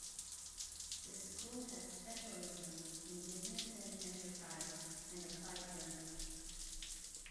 The school has specialisms in Business and Enterprise and Applied Learning.